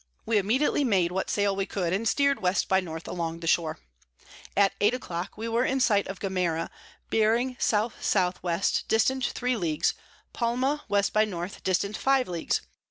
We immediately made what Sail we could, and steer'd W by N. along the Shore. At eight a clock we were in sight of Gomera bearing S S W. distant three Leagues, Palma W by N. distant five Leagues.